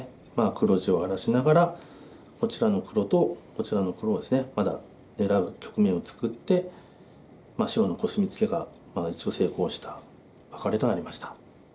黒地を荒らしながらこちらの黒とこちらの黒をですねまだ狙う局面を作って白のコスミツケが一応成功したワカレとなりました。